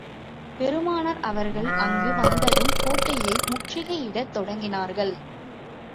பெருமானார் அவர்கள் அங்கு வந்ததும் கோட்டையை முற்றுகையிடத் தொடங்கினார்கள்.